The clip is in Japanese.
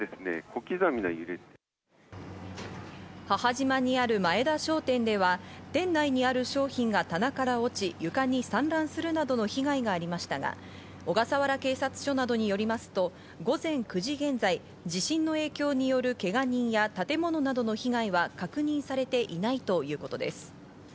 母島にある前田商店では、店内にある商品が棚から落ち、床に散乱するなどの被害がありましたが、小笠原警察署などによりますと午前９時現在、地震の影響によるけが人や建物などの被害は確認されていないということです。